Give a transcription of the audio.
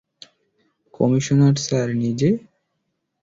Commissioner sir, নিজে?